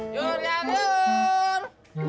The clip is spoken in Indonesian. jur ya jur